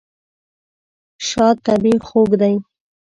شات طبیعي خوږ دی.